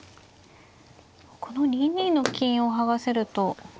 この２二の金を剥がせると。